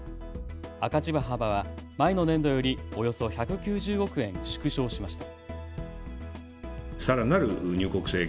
赤字幅は前の年度よりおよそ１９０億円縮小しました。